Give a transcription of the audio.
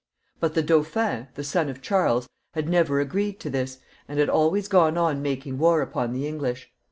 But the dauphin, the son of Charles, had never agreed to this, and had always gone on making war upon the English.